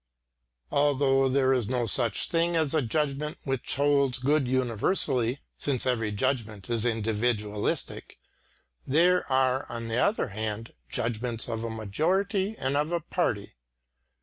Although there is no such thing as a judgment which holds good universally, since every judgment is individualistic, there are, on the other hand, judgments of a majority and of a party.